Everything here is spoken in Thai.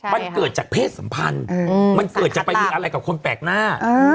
มันเกิดจากเพศสัมพันธ์มันเกิดจะไปมีอะไรกับคนแปลกหน้า